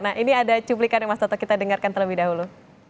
nah ini ada cuplikan yang mas toto kita dengarkan terlebih dahulu